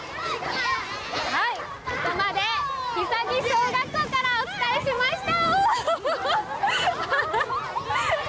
ここまで久木小学校からお伝えしました。